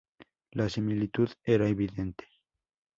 La similitud era evidente